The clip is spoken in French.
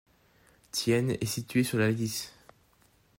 Thiennes est située sur la Lys.